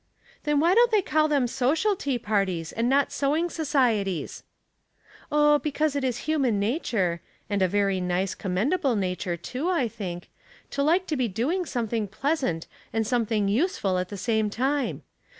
'' Then why don't they call them social tea parties, and not sewing societies ?" "Oh, because it is human nature — and a very nice, commendable nature, too, I think, to like to be doing something pleasant and something useful at the same time.